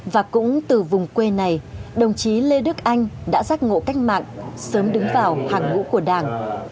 và cũng từ vùng quê này đồng chí lê đức anh đã giác ngộ cách mạng sớm đứng vào hàng ngũ của đảng